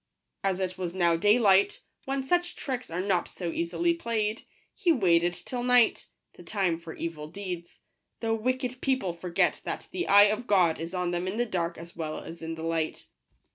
As it was now day light, when such tricks are not so easily played, he waited till night, the time for evil deeds ; though wicked people forget that the eye of God is on them in the dark as well as in the light.